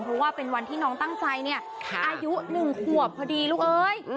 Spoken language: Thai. เพราะว่าเป็นวันที่น้องตั้งใจเนี่ยอายุ๑ขวบพอดีลูกเอ้ย